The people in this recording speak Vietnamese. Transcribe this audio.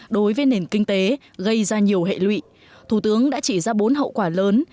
đối với nền kinh tế gây ra nhiều hệ lụy thủ tướng đã chỉ ra bốn hậu quả lớn